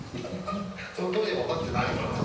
その当時は分かってないけど。